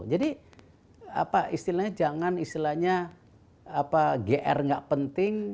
jadi istilahnya jangan istilahnya gr gak penting